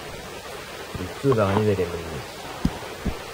Yettu daɣen idrimen-nnes?